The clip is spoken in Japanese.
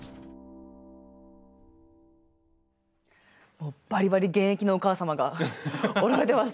もうバリバリ現役のお母様が織られてましたね！